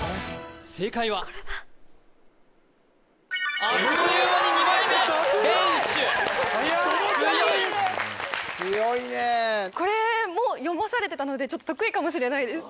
正解はこれだあっという間に２枚目連取強い強いねこれも読まされてたのでちょっと得意かもしれないです